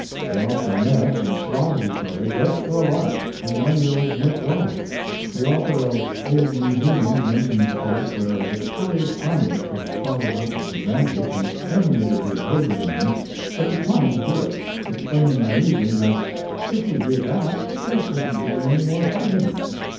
They often met and slaughtered each other just for a lark, and when there was no quarrel. The author of "Old New Zealand" mentions a case where a victorious army could have followed up its advantage and exterminated the opposing army, but declined to do it; explaining naively that "if we did that, there couldn't be any more fighting."